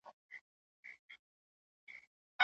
دغه طلاق ته بدعي طلاق هم ويل کيږي.